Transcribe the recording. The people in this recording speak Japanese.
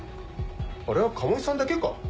あれは鴨居さんだけか。